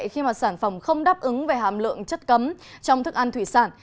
khi mà sản phẩm không đáp ứng về hàm lượng chất cấm trong thức ăn thủy sản